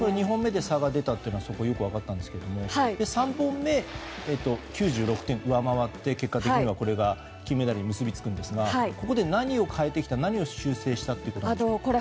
２本目で差が出たというのはよく分かったんですけど３本目、９６点、上回って結果的にはこれが金メダルに結びつくんですが、ここで何を修正してきたんでしょうか？